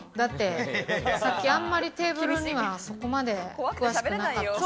さっき、あんまりテーブルには詳しくなかったし。